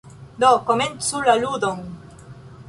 Do, komencu la ludon!